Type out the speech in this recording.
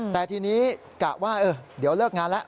แต่ทีนี้กะว่าเดี๋ยวเลิกงานแล้ว